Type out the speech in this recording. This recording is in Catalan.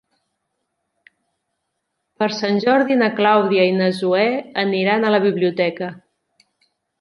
Per Sant Jordi na Clàudia i na Zoè aniran a la biblioteca.